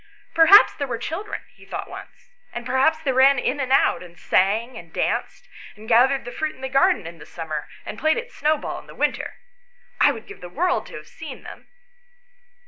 " Perhaps there were children/ 7 he thought once, "and perhaps they ran in and out, and sang, and danced, and gathered the fruit in the garden in the summer, and played at snowball in the winter. I would give the world to have seen them."